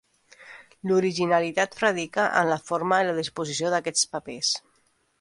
L'originalitat radica en la forma i la disposició d'aquests papers.